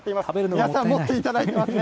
皆さん、持っていただいていますね。